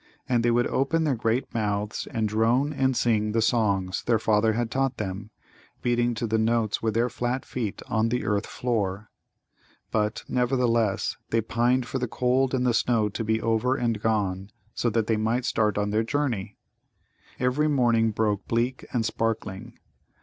And they would open their great mouths and drone and sing the songs their father had taught them, beating to the notes with their flat feet on the earth floor. But, nevertheless, they pined for the cold and the snow to be over and gone, so that they might start on their journey! Every morning broke bleak and sparkling.